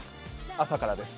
朝からです。